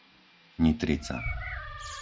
Nitrica